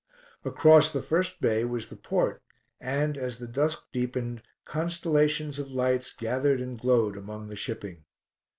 Across the first bay was the port and, as the dusk deepened, constellations of lights gathered and glowed among the shipping.